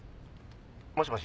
もしもし。